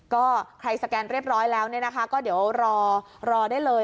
ก็ใครสแกนเรียบร้อยแล้วเนี่ยนะคะก็เดี๋ยวรอได้เลย